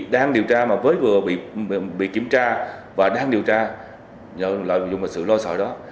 đang điều tra mà với vừa bị kiểm tra và đang điều tra nhận lợi dụng sự lo sợ đó